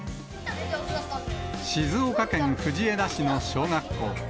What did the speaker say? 静岡県藤枝市の小学校。